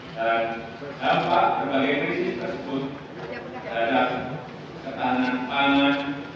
dan dampak berbagai krisis tersebut adalah ketahanan pangan